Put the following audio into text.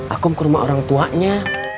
akum ke rumah orang tuanya